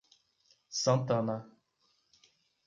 Santana